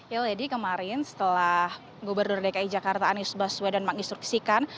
ya lady kemarin setelah gubernur dki jakarta anies baswedan menginstruksikan